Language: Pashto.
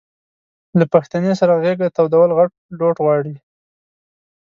له پښتنې سره غېږه تودول غټ لوټ غواړي.